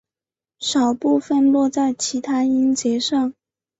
少部分落在其它音节上。